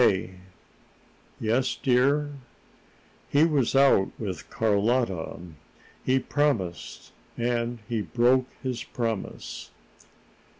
"K." "Yes, dear." "He was out with Carlotta. He promised, and he broke his promise."